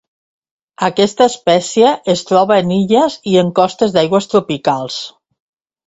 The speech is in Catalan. Aquesta espècie es troba en illes i costes d'aigües tropicals.